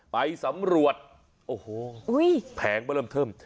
ไปสำรวจโอ้โหแผงมาเริ่มเทิม